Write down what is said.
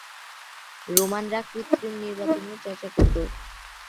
রোমানরা কৃত্রিম নির্বাচনের চর্চা করত।